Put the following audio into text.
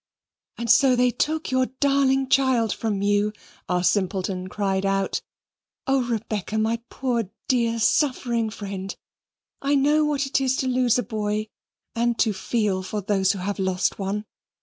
"And so they took your darling child from you?" our simpleton cried out. "Oh, Rebecca, my poor dear suffering friend, I know what it is to lose a boy, and to feel for those who have lost one.